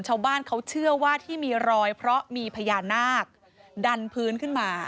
ชาวบ้านเขาเชื่อว่าที่มีรอยเพราะมีพญานาคดันพื้นขึ้นมา